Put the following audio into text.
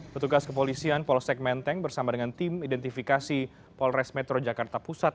petugas kepolisian polsek menteng bersama dengan tim identifikasi polres metro jakarta pusat